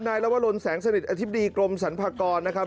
ลวรนแสงสนิทอธิบดีกรมสรรพากรนะครับ